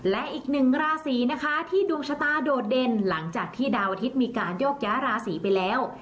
และอีกหนึ่งราศีนะคะที่ดวงชะตาโดดเด่นหลังจากที่ดาวอาทิตย์มีการโยกย้าราศีไปแล้ว